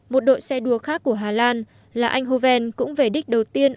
một đội xe đua khác của hà lan là anh hoven cũng về đích đầu tiên